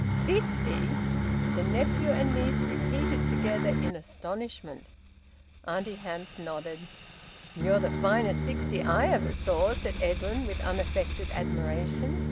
"Sixty!" the nephew and niece repeated together in astonishment. Auntie Hamps nodded. "You're the finest sixty I ever saw!" said Edwin, with unaffected admiration.